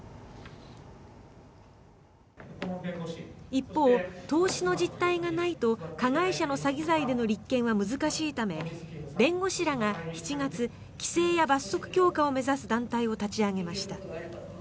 一方、投資の実態がないと加害者の詐欺罪での立件は難しいため弁護士らが７月規制や罰則強化を目指す団体を立ち上げました。